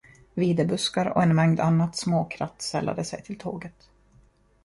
Videbuskar och en mängd annat småkratt sällade sig till tåget.